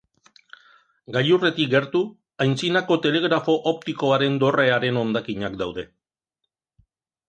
Gailurretik gertu, antzinako telegrafo optikoaren dorrearen hondakinak daude.